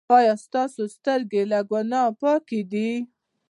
ایا ستاسو سترګې له ګناه پاکې دي؟